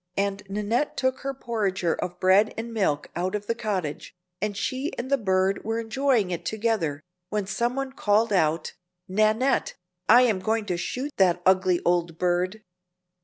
and Nannette took her porringer of bread and milk out of the cottage, and she and the bird were enjoying it together, when some one called out, "Nannette, I am going to shoot that ugly old bird!"